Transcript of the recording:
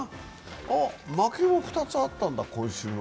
あ、負けも２つあったんだ、今週は。